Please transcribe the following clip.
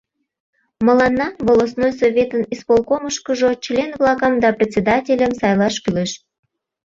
Мыланна волостной Советын исполкомышкыжо член-влакым да председательым сайлаш кӱлеш.